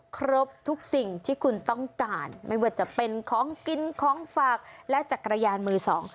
ครบทุกสิ่งที่คุณต้องการไม่ว่าจะเป็นของกินของฝากและจักรยานมือสอง